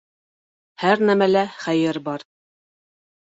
Һәр нәмәлә хәйер бар.